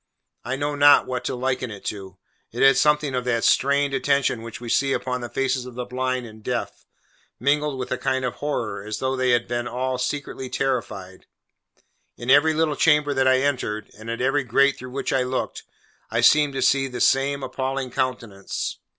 I know not what to liken it to. It had something of that strained attention which we see upon the faces of the blind and deaf, mingled with a kind of horror, as though they had all been secretly terrified. In every little chamber that I entered, and at every grate through which I looked, I seemed to see the same appalling countenance.